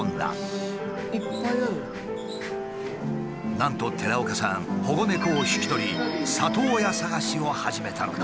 なんと寺岡さん保護猫を引き取り里親探しを始めたのだ。